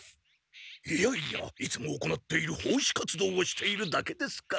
いつも行っている奉仕活動をしているだけですから。